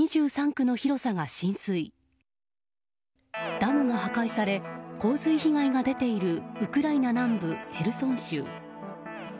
ダムが破壊され洪水被害が出ているウクライナ南部ヘルソン州。